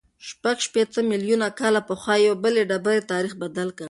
شپږ شپېته میلیونه کاله پخوا یوې بلې ډبرې تاریخ بدل کړ.